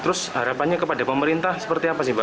terus harapannya kepada pemerintah seperti apa sih mbak